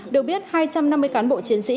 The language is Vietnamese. được biết hai trăm năm mươi cán bộ chiến sĩ